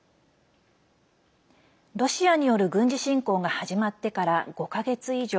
ロシアによる軍事侵攻が始まってから５か月以上。